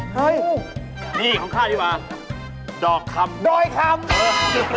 เฮ้ยนี่ของข้าดีกว่าดอกคำดอยคำ